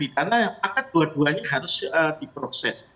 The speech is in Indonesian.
karena maka dua duanya harus diproses